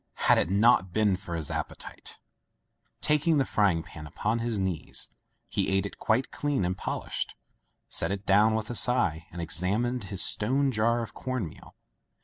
Had it not been for his appetite! Taking the frying pan upon his knees, he ate it quite clean and polished, set it down with a sigh, and examined his stone jar of corn meal.